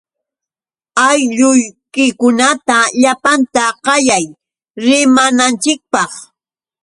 Aylluykikunata llapanta qayay rimananchikpaq.